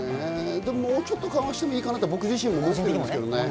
もうちょっと緩和してもいいかなと、僕自身も思いますけどね。